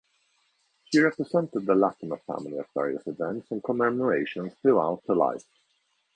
She represented the Latimer family at various events and commemorations throughout her life.